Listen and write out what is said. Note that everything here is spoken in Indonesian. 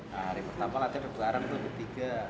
hari pertama latihan sekarang tuh ketiga